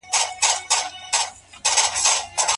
موږ باید خپل تولیدي پلانونه په سمه توګه پلي کړو.